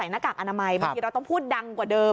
หน้ากากอนามัยบางทีเราต้องพูดดังกว่าเดิม